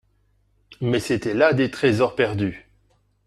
Mais c'etaient là des tresors perdus.